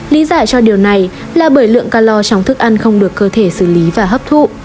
lý giải cho điều này là bởi lượng calor trong thức ăn không được cơ thể xử lý và hấp thụ